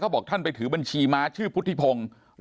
เขาก็บอกท่านไปถือกับบัญชีมาชื่อพุธิพงครับ